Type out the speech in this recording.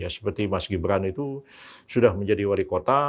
seperti mas gibran itu sudah menjadi wali kota